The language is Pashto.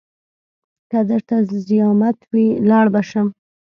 که درته زيامت وي لاړ به سم.